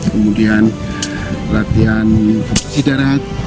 kemudian latihan sidarat